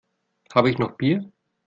Habe ich noch Bier?